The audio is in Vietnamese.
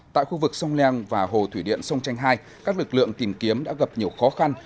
tại khu vực sông leng và hồ thủy điện sông chanh hai các lực lượng tìm kiếm đã gặp nhiều khó khăn